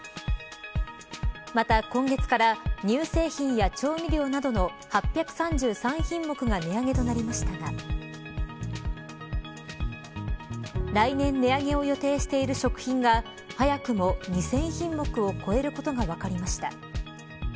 また今月から乳製品や調味料などの８３３品目が値上げとなりましたが来年値上げを予定している食品が早くも２０００品目を超えることが分かりました。